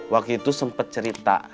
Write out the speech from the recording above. waktu itu sempet cerita